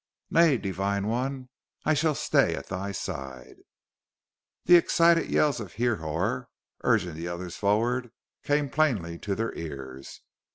"Nay, Divine One I shall stay at thy side!" The excited yells of Hrihor, urging the others forward, came plainly to their ears.